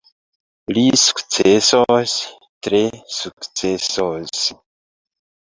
Li sukcesos, tre sukcesos.